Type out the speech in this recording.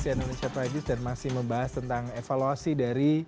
cnn indonesia prime news dan masih membahas tentang evaluasi dari